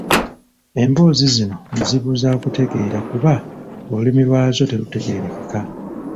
Emboozi zino nzibu zakutegeera kuba olulimi lwazo terutegeerekeka